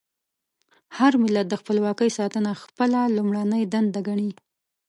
هر ملت د خپلواکۍ ساتنه خپله لومړنۍ دنده ګڼي.